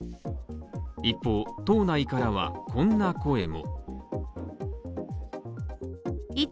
一方、党内からはこんな声も。